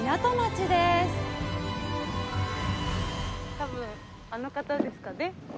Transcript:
たぶんあの方ですかね。